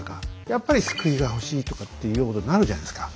やっぱり救いが欲しいとかっていうことになるじゃないですか。